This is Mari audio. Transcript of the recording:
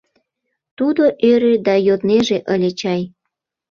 Тудо ӧрӧ да йоднеже ыле чай.